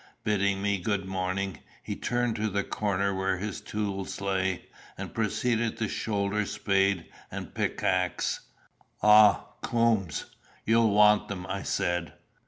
Bidding me good morning, he turned to the corner where his tools lay, and proceeded to shoulder spade and pickaxe. "Ah, Coombes! you'll want them," I said.